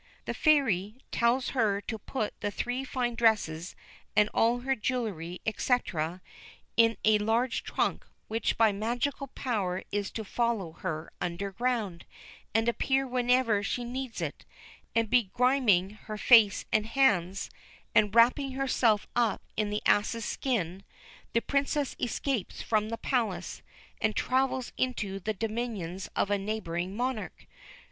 The Fairy tells her to put the three fine dresses and all her jewellery, &c. in a large trunk, which by magical power is to follow her underground, and appear whenever she needs it; and begriming her face and hands, and wrapping herself up in the ass's skin, the Princess escapes from the palace, and travels into the dominions of a neighbouring monarch.